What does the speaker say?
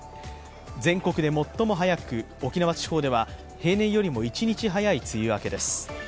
全国で最も早く、沖縄地方では平年よりも一日早い梅雨明けです。